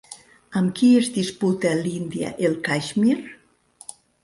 Amb qui es disputa l'Índia el Caixmir?